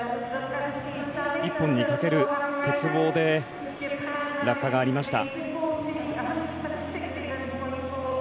一本にかける鉄棒で落下がありました。